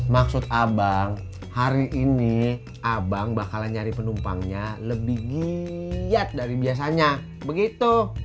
maksud abang hari ini abang bakalan nyari penumpangnya lebih giat dari biasanya begitu